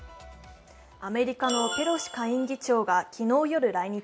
アメリカのペロシ下院議長が昨日夜、来日。